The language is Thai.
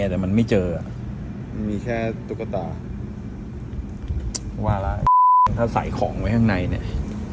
แต่มันไม่เจอมีแค่ตุ๊กตาวาระถ้าใส่ของไว้ข้างในเนี่ย